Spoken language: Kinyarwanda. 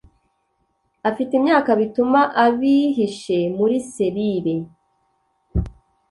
Afite imyaka bituma abihishe muri serire